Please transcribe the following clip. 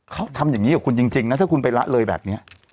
เขาทำอย่างนี้กับคุณจริงนะถ้าคุณไปละเลยแบบนี้